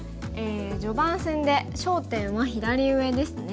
序盤戦で焦点は左上ですね。